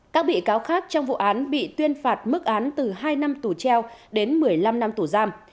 các bị cáo khác trong vụ án bị tuyên phạt mức án từ hai năm tù treo đến một mươi năm năm tù giam